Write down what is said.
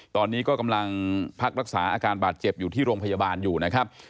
ตอนนี้ก็กำลังพักรักษาอาการบาดเจ็บอยู่ที่โรงพยาบาลอยู่นะครับ